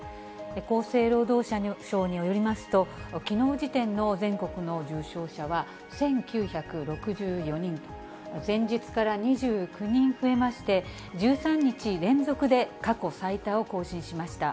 厚生労働省によりますと、きのう時点の全国の重症者は１９６４人、前日から２９人増えまして、１３日連続で過去最多を更新しました。